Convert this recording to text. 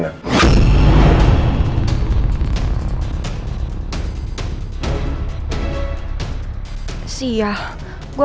tidak ada cctv di restoran